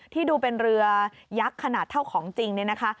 ที่ดูเป็นเรือยักษ์ขนาดเท่าของจริงเนี่ยนะคะ